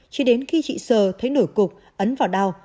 chỉ đến khi chị sơ thấy nổi cục ấn vào đau